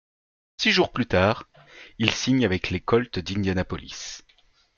Six jours plus tard, il signe avec les Colts d'Indianapolis.